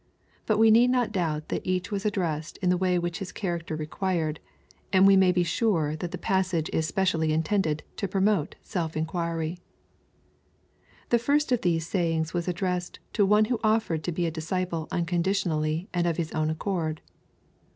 But we need not doubt that each was addressed in the way which his character required, and we may be sure that the passage is specially intended to promote self inquiry; The first of these sayings was addressed to one who offered to be a disciple unconditionally, and of his own accord.